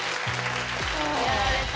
やられた。